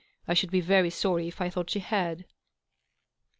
I should be very sorry if I thought she had."